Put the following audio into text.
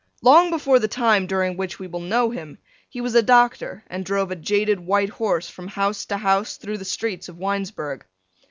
Long before the time during which we will know him, he was a doctor and drove a jaded white horse from house to house through the streets of Winesburg.